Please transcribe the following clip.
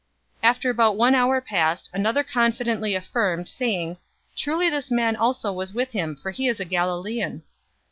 022:059 After about one hour passed, another confidently affirmed, saying, "Truly this man also was with him, for he is a Galilean!"